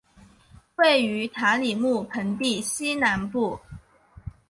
位于塔里木盆地西南部。